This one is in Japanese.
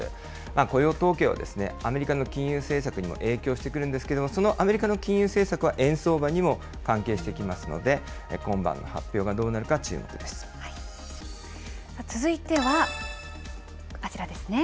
雇用統計は、アメリカの金融政策にも影響してくるんですけれども、そのアメリカの金融政策は円相場にも関係してきますので、今晩の続いては、あちらですね。